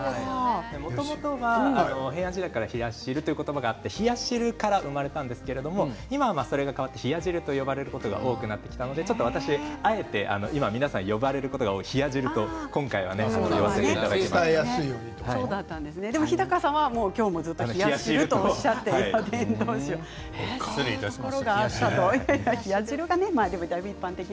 もともと平安時代から冷や汁という言葉があって冷や汁から生まれたんですがそれが今は変わって冷や汁と呼ばれることが多くなってきたのであえて皆さんが呼ばれることの多い冷や汁と日高さんは今日もずっと冷や汁とおっしゃっていましたね。